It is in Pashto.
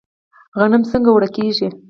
غنم څنګه اوړه کیږي؟